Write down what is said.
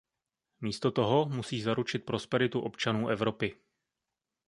Místo toho musí zaručit prosperitu občanů Evropy.